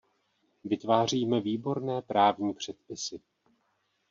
Vytváříme výborné právní předpisy.